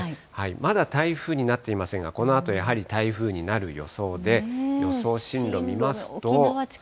まだ台風になっていませんが、このあとやはり台風になる予想で、予想進路見ますと。